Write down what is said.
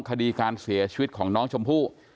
คดีการเสียชีวิตของน้องชมพู่